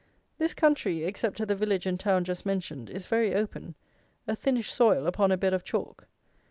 This country, except at the village and town just mentioned, is very open, a thinnish soil upon a bed of chalk.